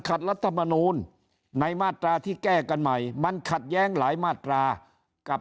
รัฐมนูลในมาตราที่แก้กันใหม่มันขัดแย้งหลายมาตรากับ